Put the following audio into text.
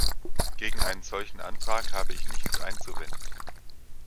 Gegen einen solchen Antrag habe ich nichts einzuwenden.